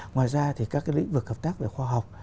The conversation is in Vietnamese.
ngoài ra thì các cái lĩnh vực hợp tác về khoa học